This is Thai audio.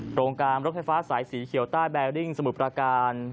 โครงการรถไฟฟ้าสายสีเขียวใต้แบริ่งสมุทรประการ